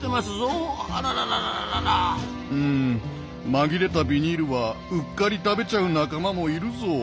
紛れたビニールはうっかり食べちゃう仲間もいるゾウ。